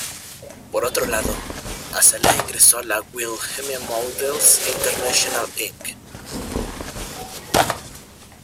Por otro lado, Azalea ingresó a la Wilhelmina Models International, Inc.